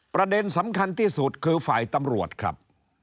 ประเด็นสำคัญที่สุดคือฝ่ายตำรวจครับ